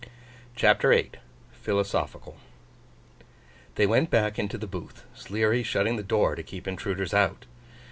CHAPTER VIII PHILOSOPHICAL THEY went back into the booth, Sleary shutting the door to keep intruders out.